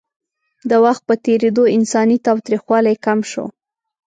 د وخت په تېرېدو انساني تاوتریخوالی کم شو.